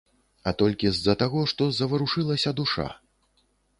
А толькі з-за таго, што заварушылася душа.